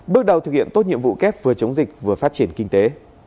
bước đầu thực hiện tốt nhiệm vụ kép vừa chống dịch vừa phát triển kinh tế